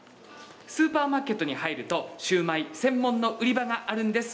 スーパーマーケットに入るとシウマイ専門の売り場があるんです。